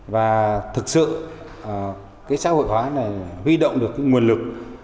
và thực sự xã hội hóa này huy động được nguồn lực